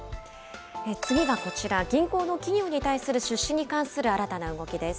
次はこちら、銀行の企業に対する出資に関する新たな動きです。